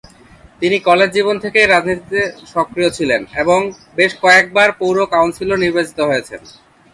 তিনি কলেজ জীবন থেকেই রাজনীতিতে সক্রিয় ছিলেন এবং বেশ কয়েকবার পৌর কাউন্সিলর নির্বাচিত হয়েছেন।